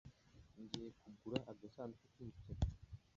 Ngiye kugura agasanduku k'imikino.